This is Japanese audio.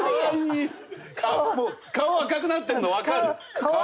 顔赤くなってるのわかる。